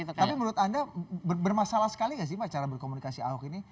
tapi menurut anda bermasalah sekali nggak sih pak cara berkomunikasi ahok ini